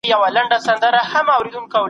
دا کار د افغانستان اقتصاد ته زیان رسوي.